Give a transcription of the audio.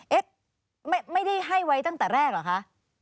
เอ่อเอ๊ะไม่ไม่ได้ให้ไว้ตั้งแต่แรกเหรอคะ